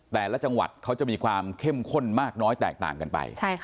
แต่ละจังหวัดเขาจะมีความเข้มข้นมากน้อยแตกต่างกันไป